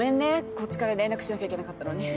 こっちから連絡しなきゃいけなかったのに。